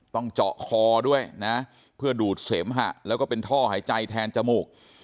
ต้องเจาะคอด้วยนะเพื่อดูดเสมหะแล้วก็เป็นท่อหายใจแทนจมูก